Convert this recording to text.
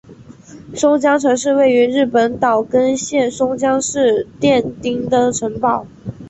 松江城是位于日本岛根县松江市殿町的城堡。